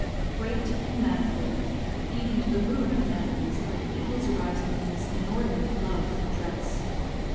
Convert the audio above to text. Great and manifold, even to the ruin of families, are the evils arising from this inordinate love for dress.